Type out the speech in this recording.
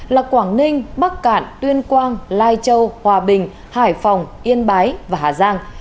là quảng ninh bắc cạn tuyên quang lai châu hòa bình hải phòng yên bái và hà giang